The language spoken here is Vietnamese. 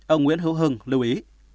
ông nguyễn hữu hưng lưu ý